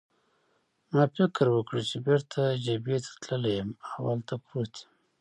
ما فکر وکړ چې بېرته جبهې ته تللی یم او هلته پروت یم.